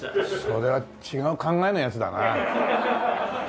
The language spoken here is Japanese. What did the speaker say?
そりゃ違う考えのやつだな。